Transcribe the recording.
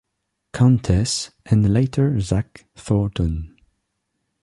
Countess, and later Zach Thornton.